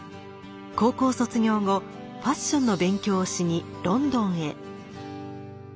高校卒業後ファッションの勉強をしにロンドンへ。